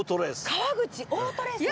川口オートレース。